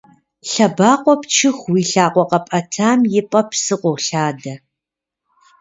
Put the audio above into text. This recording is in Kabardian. Лъэбакъуэ пчыху, уи лъакъуэ къэпӀэтам и пӀэ псы къолъадэ.